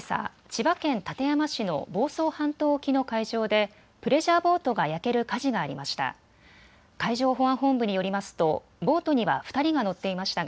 千葉県館山市の房総半島沖の海上でプレジャーボートが焼ける火事がありました。